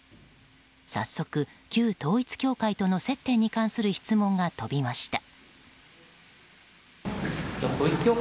早速、旧統一教会との接点についての質問が飛びました。